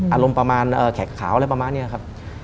อารมณ์ประมาณแขกขาวอะไรประมาณนี้ครับ